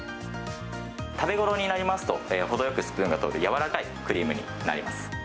食べごろになりますと、程よくスプーンが通る軟らかいクリームになります。